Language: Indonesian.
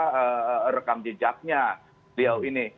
kita tahu rekam jejaknya beliau ini